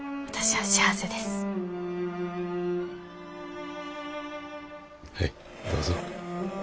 はいどうぞ。